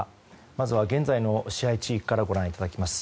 まずは現在の支配地域からご覧いただきます。